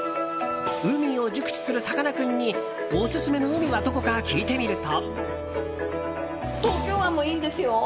海を熟知するさかなクンにオススメの海はどこか聞いてみると。